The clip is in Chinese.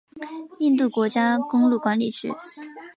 印度国家公路管理局。